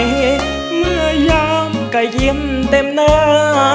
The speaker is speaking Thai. เมื่อยามก็ยิ้มเต็มหน้า